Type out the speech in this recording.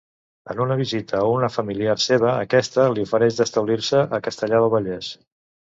En una visita a una familiar seva, aquesta li ofereix d'establir-se a Castellar del Vallès.